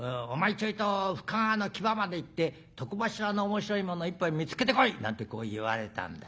ちょいと深川の木場まで行って床柱の面白いもの１本見つけてこい』なんてこう言われたんだ。